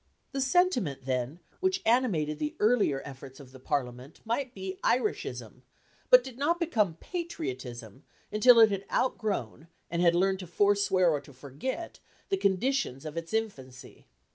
The sentiment, then, which animated the earlier efforts of the Parliament might be Iricism, but did not become patriotism until it had outgrown, and had learned to forswear or to forget, the conditions of its infancy.